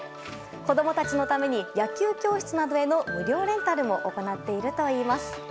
子供たちのために野球教室などへの無料レンタルも行っているといいます。